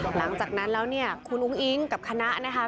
หลังจากนั้นแล้วคุณอุ้งอิงกับคณะ